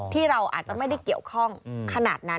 ที่เราอาจจะไม่ได้เกี่ยวข้องขนาดนั้น